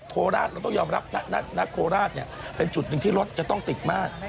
โคราชเราต้องยอมรับณโคราชเนี่ยเป็นจุดหนึ่งที่รถจะต้องติดมาก